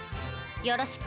よろしく。